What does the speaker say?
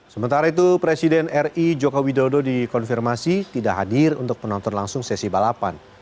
sementara itu presiden ri joko widodo dikonfirmasi tidak hadir untuk penonton langsung sesi balapan